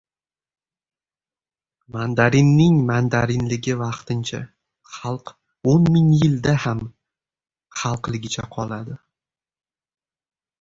• Mandarinning mandarinligi vaqtincha, xalq o‘n ming yilda ham xalqligicha qoladi.